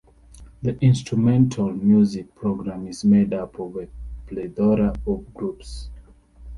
The instrumental music program is made up of a plethora of groups.